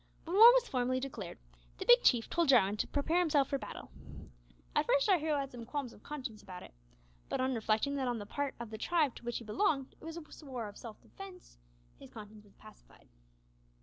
When war was formally declared, the Big Chief told Jarwin to prepare himself for battle. At first our hero had some qualms of conscience about it, but on reflecting that on the part of the tribe to which he belonged it was a war of self defence, his conscience was pacified.